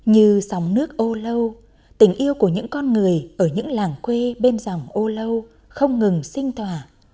như dòng nước âu lâu tình yêu của những con người ở những làng quê bên dòng âu lâu không ngừng sinh tỏa